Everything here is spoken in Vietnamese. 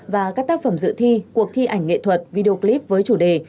và các tác phẩm dự thi cuộc thi ảnh nghệ thuật video clip với chủ đề